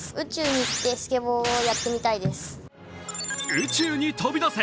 宇宙に飛び出せ。